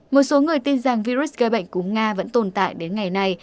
một số người tin rằng virus gây bệnh cúm nga vẫn tồn tại đến ngày nay